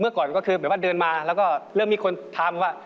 เมื่อก่อนก็คือเหมือนว่าเดินมาแล้วก็เริ่มมีคนถามว่า